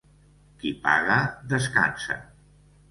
Qui paga descansa.